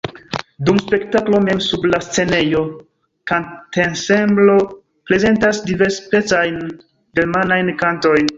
Dum spektaklo mem, sub la scenejo kantensemblo prezentas diversspecajn germanajn kantojn.